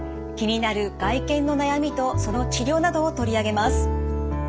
気になる外見の悩みとその治療などを取り上げます。